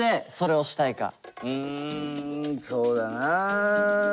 うんそうだな。